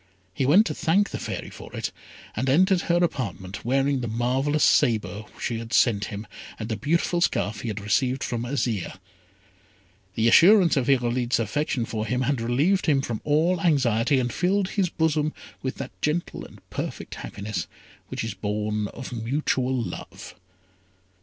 He went to thank the Fairy for it, and entered her apartment, wearing the marvellous sabre she had sent him, and the beautiful scarf he had received from Azire. The assurance of Irolite's affection for him had relieved him from all anxiety, and filled his bosom with that gentle and perfect happiness which is born of mutual love.